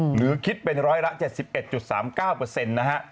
หรือคิดเป็นร้อยละ๗๑๓๙นะฮะ